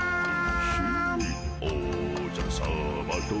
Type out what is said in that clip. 「おじゃるさまと」